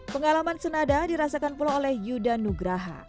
pengalaman senada dirasakan pula oleh yuda nugraha